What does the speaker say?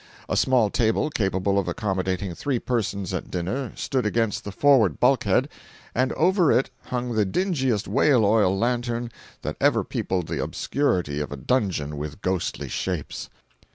A small table, capable of accommodating three persons at dinner, stood against the forward bulkhead, and over it hung the dingiest whale oil lantern that ever peopled the obscurity of a dungeon with ghostly shapes.